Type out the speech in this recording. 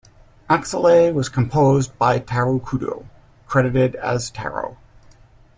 "Axelay" was composed by Taro Kudo, credited as "Taro.